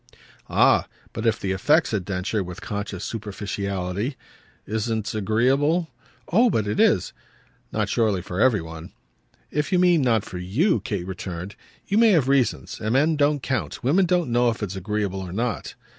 "Ah but if the effect," said Densher with conscious superficiality, "isn't agreeable ?" "Oh but it is!" "Not surely for every one." "If you mean not for you," Kate returned, "you may have reasons and men don't count. Women don't know if it's agreeable or not."